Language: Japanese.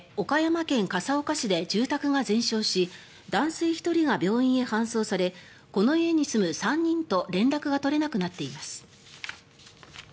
岡山県笠岡市で住宅が全焼し男性１人が病院へ搬送されこの家に住む３人と連絡が取れなくなっています。